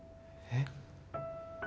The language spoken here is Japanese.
えっ？